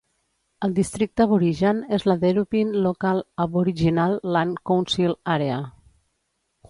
El districte aborigen és la Deerubbin Local Aboriginal Land Council Area.